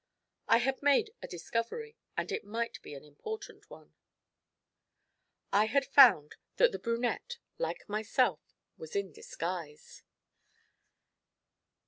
I had made a discovery, and it might be an important one. I had found that the brunette, like myself, was in disguise.